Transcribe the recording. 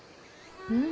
うん。